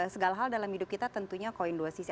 segala hal dalam hidup kita tentunya koin dua sisi